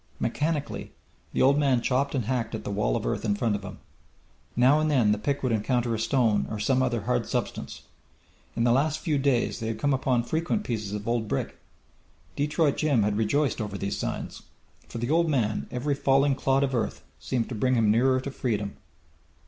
Mechanically the old man chopped and hacked at the wall of earth in front of him. Now and then the pick would encounter a stone or some other hard substance. In the last few days they had come upon frequent pieces of old brick. Detroit Jim had rejoiced over these signs. For the old man every falling clod of earth seemed to bring him nearer to freedom.